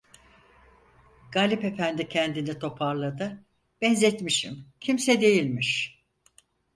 Galip efendi kendini toparladı: "Benzetmişim, kimse değilmiş!"